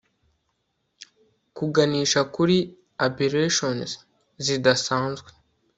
Kuganisha kuri aberrations zidasanzwe